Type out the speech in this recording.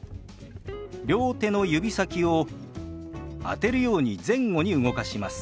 両手の指先を当てるように前後に動かします。